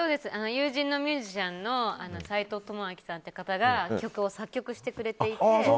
友人のミュージシャンのサイトウトモアキさんという方が曲を作曲してくれていて。